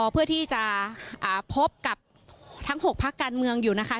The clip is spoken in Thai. เพื่อที่จะพบกับทั้ง๖พักการเมืองอยู่นะคะ